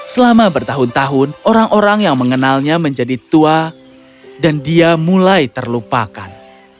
selama bertahun tahun orang orang yang mengenalnya menjadi tua dan dia mulai terlupakan